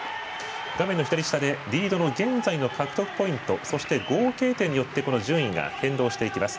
画面左下でリードの現在の獲得ポイントそして、合計点によって順位が変動していきます。